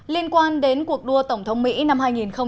liên quan đến cuộc đua tổng thống mỹ năm hai nghìn hai mươi